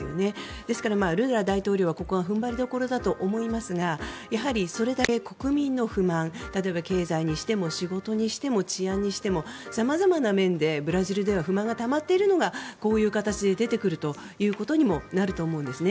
ですから、ルラ大統領はここが踏ん張りどころだと思いますがやはり、それだけ国民の不満例えば経済にしても仕事にしても治安にしても様々な面でブラジルでは不満がたまっているのがこういう形で出てくるということにもなると思うんですね。